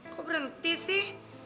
kok berhenti sih